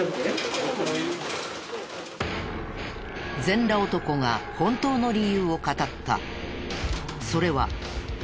全裸男が本当の理由を語った。